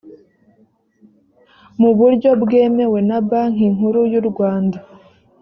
mu buryo bwemewe na banki nkuru y urwanda